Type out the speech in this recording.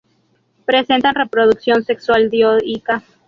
Presentan reproducción sexual dioica.